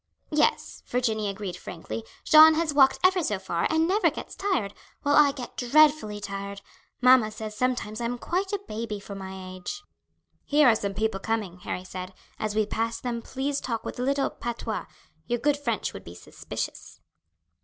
"Yes," Virginie agreed frankly, "Jeanne has walked ever so far and never gets tired, while I get dreadfully tired; mamma says sometimes I am quite a baby for my age." "Here are some people coming," Harry said; "as we pass them please talk with a little patois. Your good French would be suspicious."